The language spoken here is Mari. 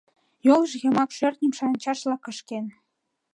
Йолжо йымак шӧртньым шанчашла кышкен.